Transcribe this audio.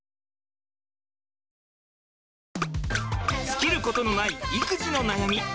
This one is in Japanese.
尽きることのない育児の悩み。